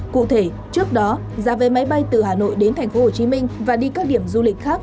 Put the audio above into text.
cụ thể trước đó giá vé máy bay từ hà nội đến tp hcm và đi các điểm du lịch khác